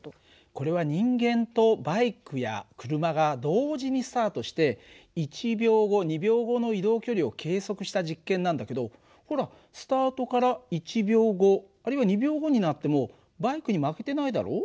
これは人間とバイクや車が同時にスタートして１秒後２秒後の移動距離を計測した実験なんだけどほらスタートから１秒後あるいは２秒後になってもバイクに負けてないだろ？